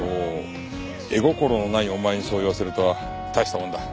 絵心のないお前にそう言わせるとは大したもんだ。